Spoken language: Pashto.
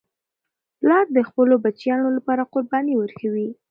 پلار د خپلو بچیانو لپاره قرباني ورکوي.